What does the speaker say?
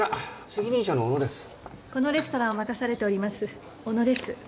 このレストランを任されております小野です。